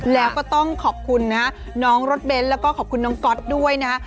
แล้วก็ต้องขอบคุณนะฮะน้องรถเบ้นแล้วก็ขอบคุณน้องก๊อตด้วยนะฮะ